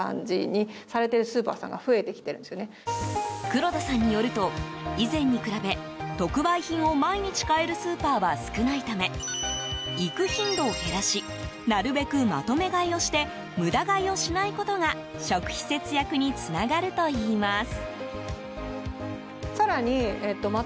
黒田さんによると、以前に比べ特売品を毎日買えるスーパーは少ないため行く頻度を減らしなるべく、まとめ買いをして無駄買いをしないことが食費節約につながるといいます。